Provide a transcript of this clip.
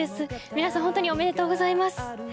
皆さん本当におめでとうございます。